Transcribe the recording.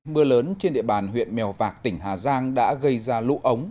mưa lớn trên địa bàn huyện mèo vạc tỉnh hà giang đã gây ra lũ ống